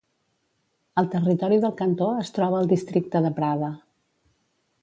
El territori del cantó es troba al districte de Prada.